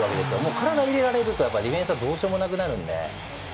体を入れられるとディフェンスはどうしようもないので。